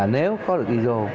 nếu có được iso